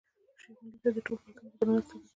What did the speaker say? شېخ ملي ته ټولو پښتنو په درنه سترګه کتل.